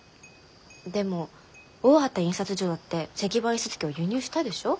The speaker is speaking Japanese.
でも大畑印刷所だって石版印刷機を輸入したでしょ？